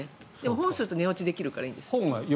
本をすると寝落ちできるからいいです。